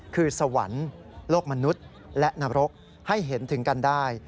คือสวรรค์โลกมนุษย์และนรกให้เห็นถึงกันได้